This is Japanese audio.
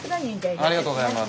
ありがとうございます。